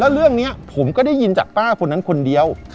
เรื่องนี้ผมก็ได้ยินจากป้าคนนั้นคนเดียว